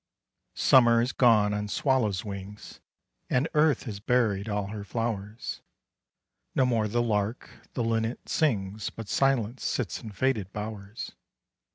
Summer is gone on swallows' wings, And Earth has buried all her flowers: No more the lark, the linnet sings, But Silence sits in faded bowers.